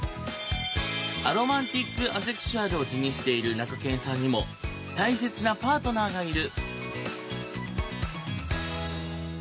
アロマンティック・アセクシュアルを自認しているなかけんさんにも大切なパートナーがいる。